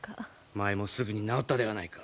前もすぐに治ったではないか。